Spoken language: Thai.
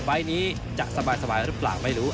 ไฟล์นี้จะสบายหรือเปล่าไม่รู้